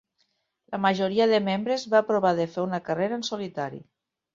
La majoria de membres va provar de fer una carrera en solitari.